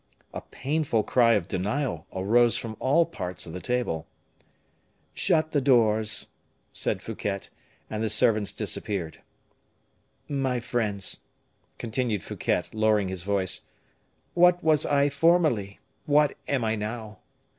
A painful cry of denial arose from all parts of the table. "Shut the doors," said Fouquet, and the servants disappeared. "My friends," continued Fouquet, lowering his voice, "what was I formerly? What am I now?